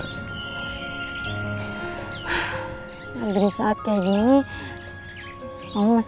semua rasa sakit aku jadi gak berasa